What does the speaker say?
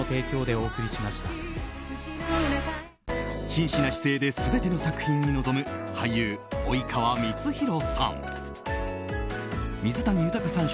真摯な姿勢で全ての作品に臨む俳優・及川光博さん。